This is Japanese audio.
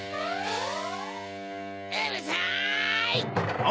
うるさい！